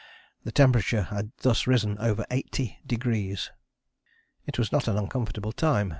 The temperature had thus risen over eighty degrees. It was not an uncomfortable time.